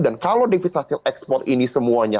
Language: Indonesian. dan kalau devisa hasil ekspor ini semuanya